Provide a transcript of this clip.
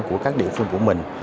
của các địa phương của mình